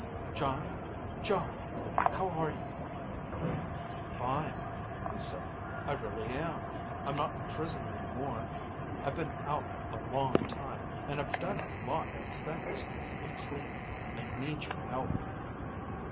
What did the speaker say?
"Jon, Jon, how are you?" "Fine," he said. "I really am. I'm not in prison any more. I've been out a long time, and I've done a lot of things. But Clea, I need your help."